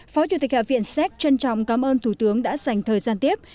phó chủ tịch hạ viện séc trân trọng cảm ơn thủ tướng đã dành thời gian tiếp